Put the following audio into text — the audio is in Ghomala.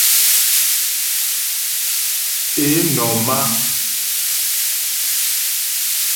Ě nɔ̀m á.